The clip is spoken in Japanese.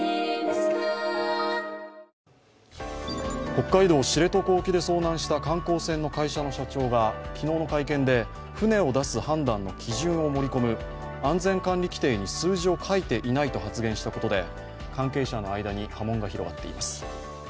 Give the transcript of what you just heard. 北海道知床沖で遭難した観光船の社長が昨日の会見で、船を出す判断の基準を盛り込む安全管理規程に数字を書いていないと発言したことで関係者の間に波紋が広がっています。